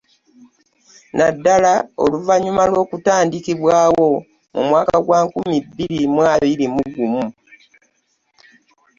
Naddala oluvannyuma lw'okutandikibwawo mu mwaka gwa nkumi bbiri mu abiri mu gumu